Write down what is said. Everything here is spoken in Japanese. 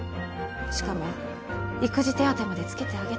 しかも育児手当まで付けてあげて。